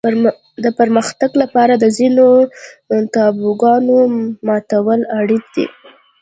د پرمختګ لپاره د ځینو تابوګانو ماتول اړین دي.